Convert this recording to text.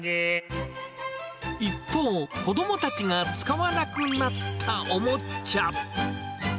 一方、子どもたちが使わなくなったおもちゃ。